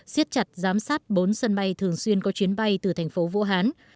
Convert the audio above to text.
siết chặt giám sát bốn sân bay thường xuyên có chuyến bay từ thành phố vũ hán